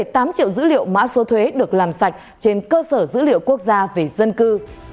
một mươi tám triệu dữ liệu mã số thuế được làm sạch trên cơ sở dữ liệu quốc gia về dân cư